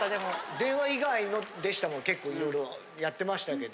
電話以外の「でした」も結構いろいろやってましたけど。